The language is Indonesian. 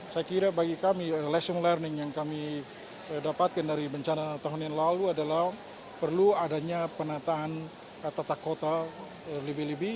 saya kira bagi kami lesson learning yang kami dapatkan dari bencana tahun yang lalu adalah perlu adanya penataan tata kota lebih lebih